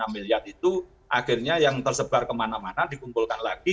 lima ratus empat puluh enam miliar itu akhirnya yang tersebar kemana mana dikumpulkan lagi